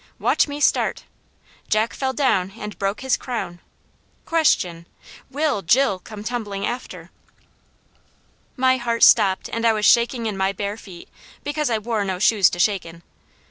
"Watch me start! 'Jack fell down and broke his crown.' Question will 'Jill come tumbling after?'" My heart stopped and I was shaking in my bare feet, because I wore no shoes to shake in.